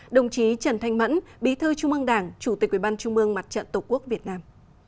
đồng chí trần thanh mẫn bí thư trung ương đảng chủ tịch ubnd mặt trận tổ quốc việt nam